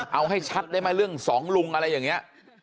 เอาให้ชัดได้ไหมเรื่องสองลุงอะไรอย่างนี้